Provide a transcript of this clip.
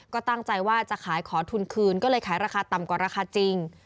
ก็ตั้งใจว่าจะขายขอทุนคืนก็เลยขายราคาต่ำกว่าราคาจริง